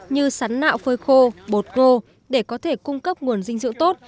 như sắn nạo phơi khô bột ngô để có thể cung cấp nguồn dinh dự tốt